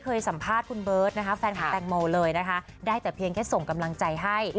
เคยสัมภาษณ์คุณเบิ้บนะคะเฟนภาคใหม่เลยนะคะได้แต่เพียงให้ส่งกำลังใจให้